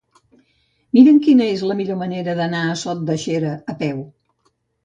Mira'm quina és la millor manera d'anar a Sot de Xera a peu.